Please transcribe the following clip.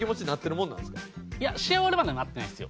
いや試合終わるまではなってないですよ。